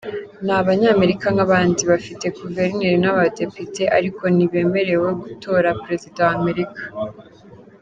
Ni Abanyamerika nk’abandi, bafite guverineri n’abadepite ariko ntibemerewe gutora Perezida wa Amerika.